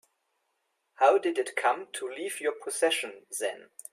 How did it come to leave your possession then?